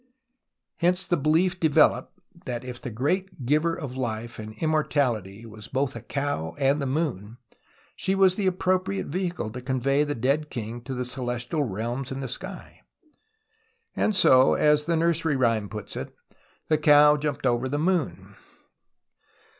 Hence the belief developed that if the Great Giver of Life and Immortality was both a cow and the moon, she was the appropriate vehicle to convey the dead king to the celestial realms in the sky. And so, as the nursery rhyme puts it, '• the cow jumped over the moon."